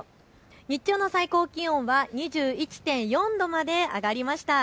日中の最高気温は２１．４度まで上がりました。